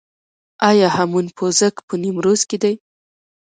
آیا هامون پوزک په نیمروز کې دی؟